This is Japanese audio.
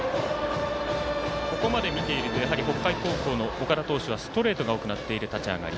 ここまで見ているとやはり北海高校の岡田投手はストレートが多くなっている立ち上がり。